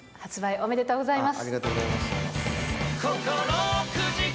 ありがとうございます。